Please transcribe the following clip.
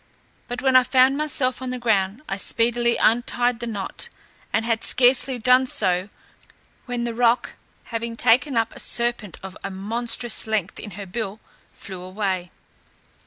But when I found myself on the ground, I speedily untied the knot, and had scarcely done so, when the roc, having taken up a serpent of a monstrous length in her bill, flew away.